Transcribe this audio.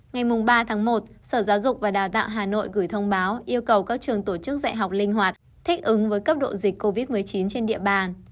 ngày ba tháng một sở giáo dục và đào tạo hà nội gửi thông báo yêu cầu các trường tổ chức dạy học linh hoạt thích ứng với cấp độ dịch covid một mươi chín trên địa bàn